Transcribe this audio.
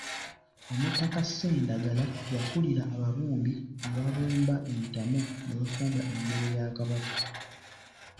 Omutaka Ssendagala ya kulira ababumbi ababumba entamu mwe bafumba emmere ya Kabaka.